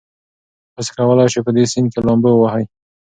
تاسي کولای شئ په دې سیند کې لامبو ووهئ.